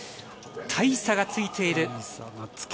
大差がついている。